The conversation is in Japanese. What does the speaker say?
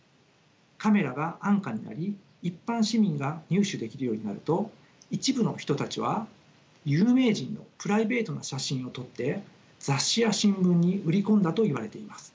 カメラが安価になり一般市民が入手できるようになると一部の人たちは有名人のプライベートな写真を撮って雑誌や新聞に売り込んだといわれています。